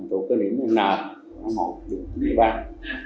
hành tụ cơ niệm hình nạp hóa mộ trường hành vi văn